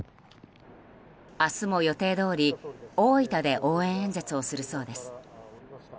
明日も予定どおり大分で応援演説をするそうです。